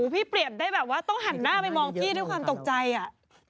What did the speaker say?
เปรียบได้แบบว่าต้องหันหน้าไปมองพี่ด้วยความตกใจอะ